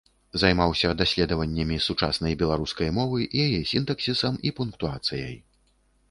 Займаўся даследаваннямі сучаснай беларускай мовы, яе сінтаксісам і пунктуацыяй.